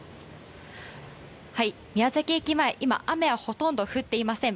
宮崎駅前、今、雨はほとんど降っていません。